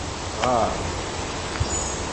Ɣaṛ!